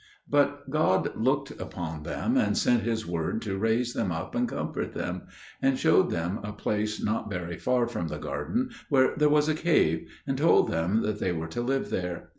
But God looked upon them and sent His Word to raise them up and comfort them; and showed them a place not very far from the garden where there was a cave; and told them that they were to live there.